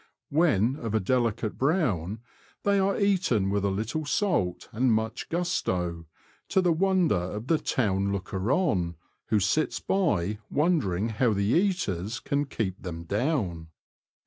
When of a delicate brown, they are eaten with a little salt, and much gusto, to the wonder of the town looker on, who sits by wondering how the eaters can keep them down.